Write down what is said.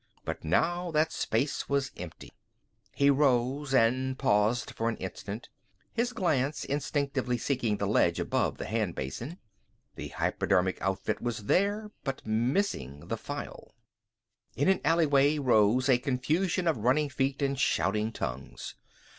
But now that space was empty. He rose and paused for an instant, his glance instinctively seeking the ledge above the hand basin. The hypodermic outfit was there, but minus the phial. In the alleyway rose a confusion of running feet and shouting tongues.